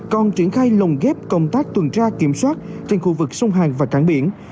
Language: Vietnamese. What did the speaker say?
còn triển khai lồng ghép công tác tuần tra kiểm soát trên khu vực sông hàng và cảng biển